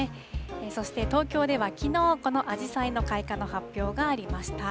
そして東京ではきのう、このアジサイの開花の発表がありました。